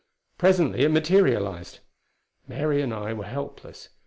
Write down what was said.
Presently it materialized! Mary and I were helpless.